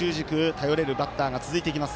頼れるバッターが続いていきます。